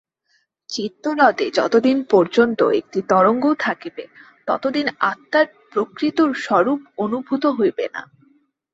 চিত্তহ্রদে যতদিন পর্যন্ত একটি তরঙ্গও থাকিবে, ততদিন আত্মার প্রকৃত স্বরূপ অনুভূত হইবে না।